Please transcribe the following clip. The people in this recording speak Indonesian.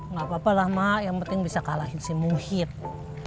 gapapa lah mak yang penting bisa kalahin si muhyiddin